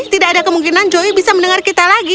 tidak ada kemungkinan joy bisa mendengar kita lagi